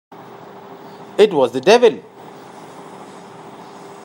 It was the devil!